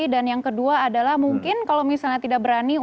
dan yang kedua adalah mungkin kalau misalnya tidak berani untuk